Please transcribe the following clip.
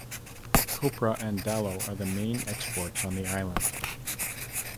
Copra and Dalo are the main exports on the island.